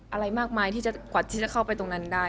อะไรมากมายกว่าจะเข้าไปตรงนั้นได้